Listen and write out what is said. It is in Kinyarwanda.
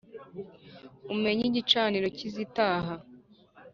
umenye igicaniro cy’izitaha